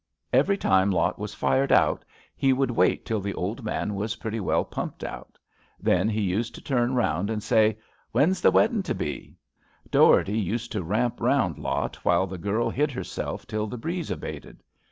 Every time Lot was fired out he would wait till the old man was pretty well pumped out. Then he used to turn round and say, ' When's the wedding to be? ' Dougherty used to ramp round Lot while the girl hid herself till the breeze abated.